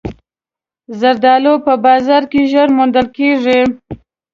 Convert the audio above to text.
زردالو په بازار کې ژر موندل کېږي.